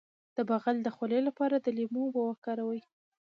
د بغل د خولې لپاره د لیمو اوبه وکاروئ